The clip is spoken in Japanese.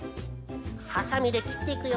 ハサミできっていくよ。